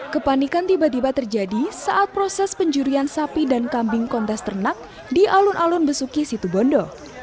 kepanikan tiba tiba terjadi saat proses penjurian sapi dan kambing kontes ternak di alun alun besuki situbondo